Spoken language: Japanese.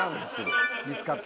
見つかった。